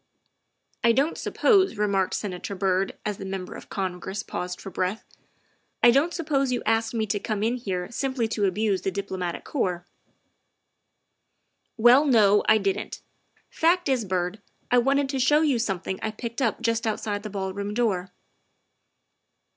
" I don't suppose," remarked Senator Byrd as the Member of Congress paused for breath, " I don't sup pose you asked me to come in here simply to abuse the Diplomatic Corps." THE SECRETARY OF STATE 59 '' Well, no, I didn 't. Fact is, Byrd, I wanted to show you something I picked up just outside the ballroom door."